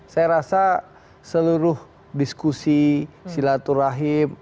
saya rasa seluruh diskusi silaturahim